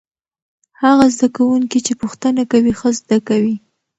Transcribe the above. هغه زده کوونکي چې پوښتنه کوي ښه زده کوي.